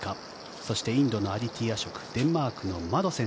そしてインドのアディティ・アショクデンマークのマドセン。